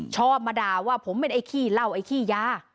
ชอบมาด่าว่าผมเป็นไอ้ขี้เหล้าไอ้ขี้ยา